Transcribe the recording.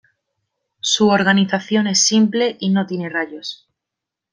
Su organización es simple y no tiene rayos.